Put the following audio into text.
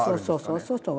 そうそうそう。